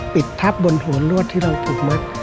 ปิดทับบนหัวลวดที่เราถูกมัด